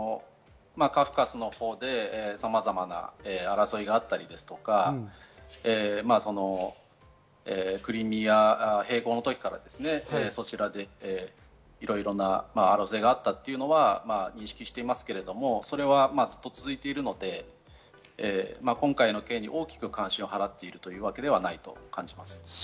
カフカスのほうでさまざまな争いがあったりとか、クリミア併合の時からそちらでいろいろなことがあったのは認識していますけれども、ずっと続いているので、今回の件に大きく関心を払っているというわけではないと感じます。